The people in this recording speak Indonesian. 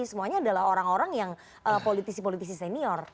semuanya adalah orang orang yang politisi politisi senior